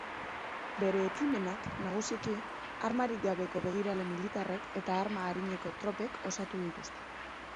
Bere ekimenak, nagusiki, armarik gabeko begirale militarrek eta arma arineko tropek osatu dituzte.